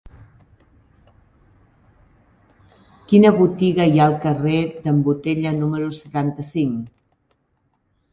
Quina botiga hi ha al carrer d'en Botella número setanta-cinc?